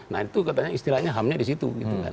nah itu katanya istilahnya hamnya di situ